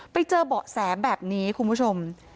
ไปเจอเบาะแสแบบนี้คุณผู้ชม